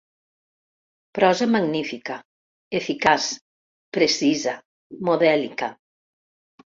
Prosa magnífica, eficaç, precisa, modèlica.